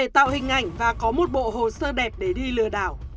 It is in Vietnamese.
tạo hình ảnh và có một bộ hồ sơ đẹp để đi lừa đảo